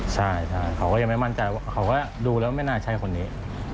ใช่เขาก็ยังไม่มั่นใจว่าเขาก็ดูแล้วไม่น่าใช่คนนี้